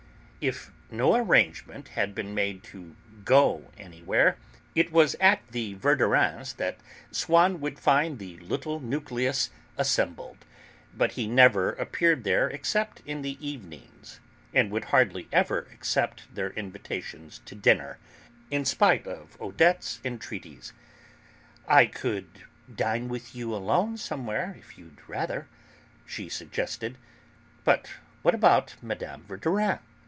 If no arrangement had been made to 'go anywhere,' it was at the Verdurins' that Swann would find the 'little nucleus' assembled, but he never appeared there except in the evenings, and would hardly ever accept their invitations to dinner, in spite of Odette's entreaties. "I could dine with you alone somewhere, if you'd rather," she suggested. "But what about Mme. Verdurin?"